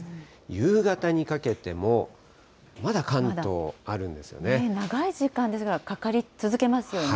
夕方にかけても、まだ関東、ある長い時間、かかり続けますよ